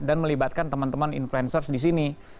dan melibatkan teman teman influencer di sini